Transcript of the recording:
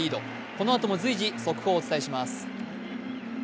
このあとも随時、速報をお伝えします。